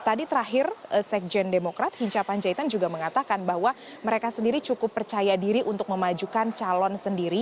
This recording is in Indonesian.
tadi terakhir sekjen demokrat hinca panjaitan juga mengatakan bahwa mereka sendiri cukup percaya diri untuk memajukan calon sendiri